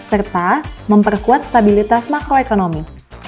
serta memperkuat stabilitas makroekonomi